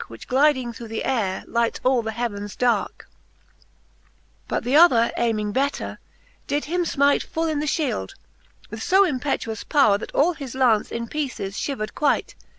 Which glyding through the ayre lights all the heavens darke. VIII. But th' other ayming better, did him fmite Full in the fhield, with fo impetuous powre, That all his launce in peeces fhivered quite.